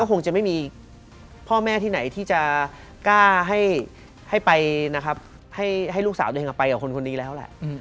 ก็คงจะไม่มีพ่อแม่ที่ไหนที่จะกล้าให้ลูกสาวตัวเองไปกับคนคนนี้แล้ว